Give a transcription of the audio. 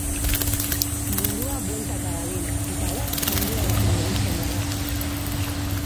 Mundua bueltaka dabil, eta gu munduarekin mugitzen gara.